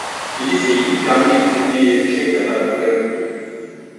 Kiliseyi idame ettirmeye yetecek kadar para yoktu.